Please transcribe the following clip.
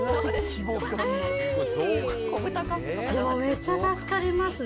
めちゃ助かりますね。